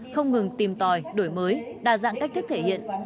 không ngừng tìm tòi đổi mới đa dạng cách thức thể hiện